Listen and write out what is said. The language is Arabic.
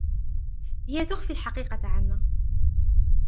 هي تخفي الحقيقة عنا.